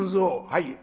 「はい」。